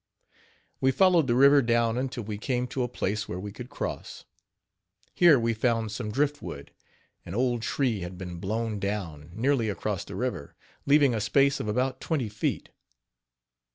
" We followed the river down until we came to a place where we could cross. Here we found some drift wood an old tree had been blown down, nearly across the river, leaving a space of about twenty feet.